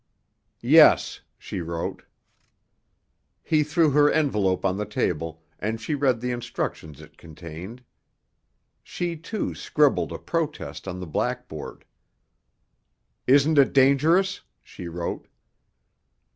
"Yes," she wrote. He threw her envelope on the table, and she read the instructions it contained. She, too, scribbled a protest on the blackboard. "Isn't it dangerous?" she wrote.